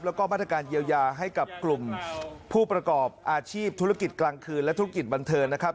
แล้วก็มาตรการเยียวยาให้กับกลุ่มผู้ประกอบอาชีพธุรกิจกลางคืนและธุรกิจบันเทิงนะครับ